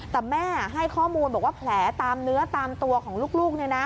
แต่แม่ให้ข้อมูลบอกว่าแผลตามเนื้อตามตัวของลูก